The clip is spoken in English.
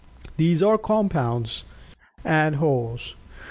These are compounds and wholes.